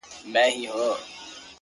د زړگي ښار ته مي لړم د لېمو مه راوله!!